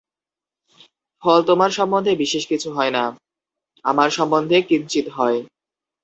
ফল তোমার সম্বন্ধে বিশেষ কিছুই হয় না, আমার সম্বন্ধে কিঞ্চিৎ হয়।